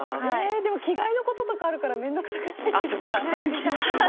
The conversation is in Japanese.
でも着替えることとかあるから面倒くさくないですか？